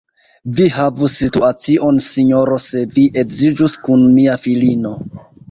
Vi havus situacion, sinjoro, se vi edziĝus kun mia filino.